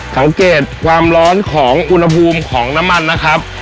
สังเกตความร้อนของอุณหภูมิของน้ำมันนะครับ